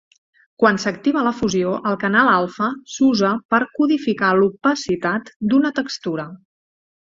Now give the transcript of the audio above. Quan s'activa la fusió, el canal alfa s'usa per codificar l'opacitat d'una textura.